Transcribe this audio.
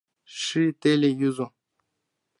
Ший теле — юзо.